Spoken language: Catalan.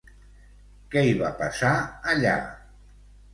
Què hi va passar, allà?